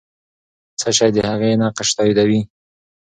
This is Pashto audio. څه شی د هغې نقش تاییدوي؟